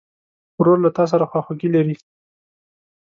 ورور له تا سره خواخوږي لري.